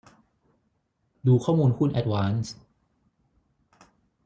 ดูข้อมูลหุ้นแอดวานซ์